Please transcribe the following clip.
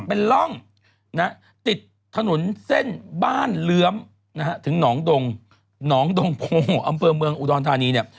เป็นร่องติดถนนเส้นบ้านเรื้อมนะฮะถึงหนองตรงพงศ์อำเทิมเมืองอุดรทานีเนี่ย